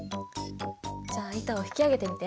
じゃあ板を引き上げてみて。